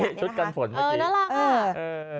ชุดกันฝนเมื่อกี้น่ารักค่ะ